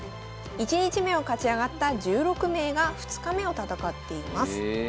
１日目を勝ち上がった１６名が２日目を戦っています。